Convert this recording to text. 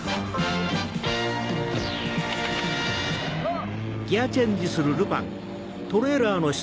あっ！